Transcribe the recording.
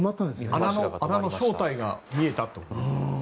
穴の正体が見えたと。